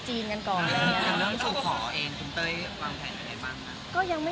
มีปิดฟงปิดไฟแล้วถือเค้กขึ้นมา